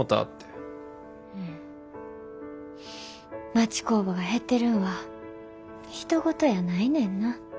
町工場が減ってるんはひと事やないねんな。